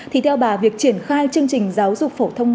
thì theo bà việc triển khai chương trình giáo dục phổ thông